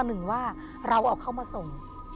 หนึ่งว่าเราเอาเข้ามาส่ง